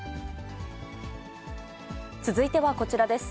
続いてはこちらです。